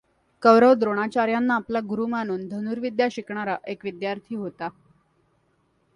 कौरव द्रोणाचार्यांना आपला गुरु मानून धनुर्विद्या शिकणारा एक विद्यार्थी होता.